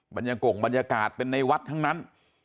บรรยากงบรรยากาศเป็นในวัดทั้งนั้น